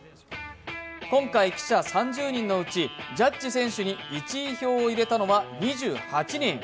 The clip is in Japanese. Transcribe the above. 今回、記者３０人のうちジャッジ選手に１位票を入れたのは２８人。